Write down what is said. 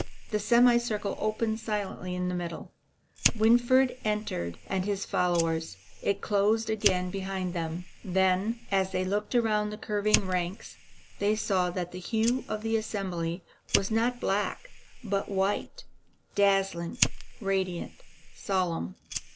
The semicircle opened silently in the middle; Winfried entered with his followers; it closed again behind them. Then, as they looked round the curving ranks, they saw that the hue of the assemblage was not black, but white, dazzling, radiant, solemn.